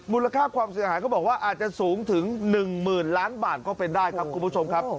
มูลค่าความเสียหายเขาบอกว่าอาจจะสูงถึง๑๐๐๐ล้านบาทก็เป็นได้ครับคุณผู้ชมครับ